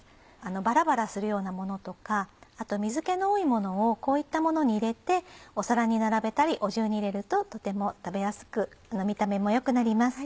バラバラするようなものとか水気の多いものをこういったものに入れてお皿に並べたりお重に入れるととても食べやすく見た目も良くなります。